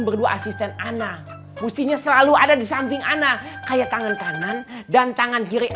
berdua asisten anak mestinya selalu ada di samping anak kayak tangan kanan dan tangan kiri